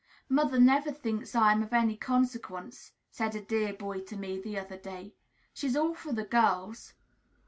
"Mother never thinks I am of any consequence," said a dear boy to me, the other day. "She's all for the girls."